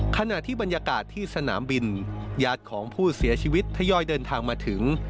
ขณะที่บรรยากาศที่สนามบินญาติของผู้เสียชีวิตทยอยเดินทางมาถึง